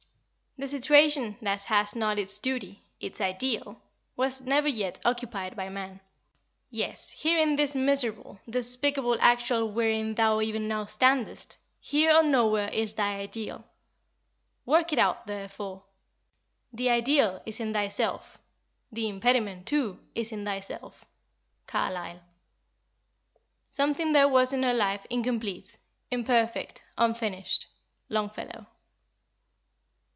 "The situation that has not its Duty, its Ideal, was never yet occupied by man. Yes, here in this miserable, despicable actual wherein thou even now standest, here or nowhere is thy Ideal. Work it out therefore. The Ideal is in thyself, the impediment too is in thyself." CARLYLE. "Something there was in her life incomplete, imperfect, unfinished." LONGFELLOW.